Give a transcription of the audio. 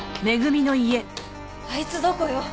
あいつどこよ？